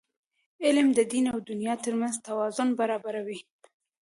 علم د دین او دنیا ترمنځ توازن برابروي.